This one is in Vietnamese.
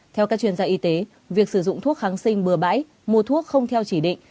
theo các chuyên gia y tế việc sử dụng thuốc kháng sinh bừa bãi mua thuốc không theo chỉ định